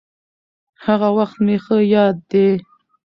هغه وخت مې ښه ياد دي.